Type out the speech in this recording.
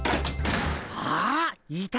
あっいた！